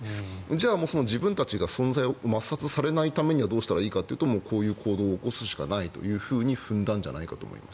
じゃあ、自分たちが存在を抹殺されないためにはどうすればいいかというとこういう行動を起こすしかないと踏んだんじゃないかと思います。